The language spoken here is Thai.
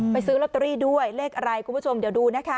ซื้อลอตเตอรี่ด้วยเลขอะไรคุณผู้ชมเดี๋ยวดูนะคะ